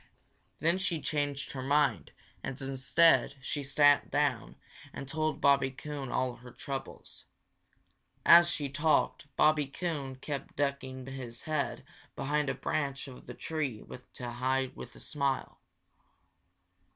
Then she changed her mind and instead she sat down and told Bobby Coon all her troubles. As she talked, Bobby Coon kept ducking his head behind a branch of the tree to hide a smile.